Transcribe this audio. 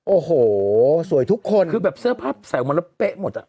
โอ้โหสวยทุกคนคือแบบเสื้อผ้าใส่ออกมาแล้วเป๊ะหมดอ่ะ